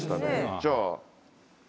じゃあ。